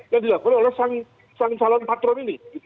yang dilakukan oleh sang calon patron ini